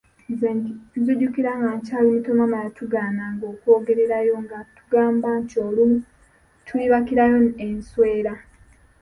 Nze nzijukira nga nkyali muto maama yatugaananga okwogererayo nga atugamba nti olumu tulibakirayo enswera.